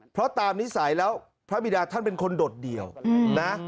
เพราะตามนิสัยแล้วพระบิดาท่านเป็นคนโดดเดี่ยวนะ